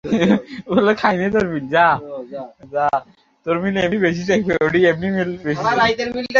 এটি ভৈরব নদ থেকে উৎপত্তি হয়েছে এবং পরবর্তিতে পশুর নামে প্রবাহিত হয়েছে।